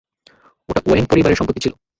ওটা ওয়েন পরিবারের সম্পত্তি ছিল।